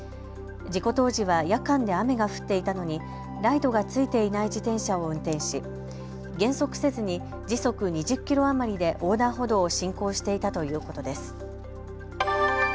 事故当時は夜間で雨が降っていたのにライトが付いていない自転車を運転し、減速せずに時速２０キロ余りで横断歩道を進行していたということです。